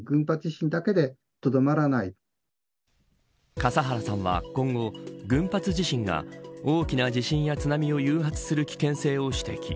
笠原さんは今後、群発地震が大きな地震や津波を誘発する危険性を指摘。